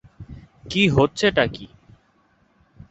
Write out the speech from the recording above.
কী হচ্ছে টা কী?